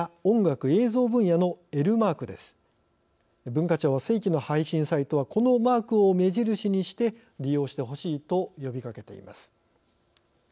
文化庁は正規の配信サイトはこのマークを目印にして利用してほしいと呼びかけています。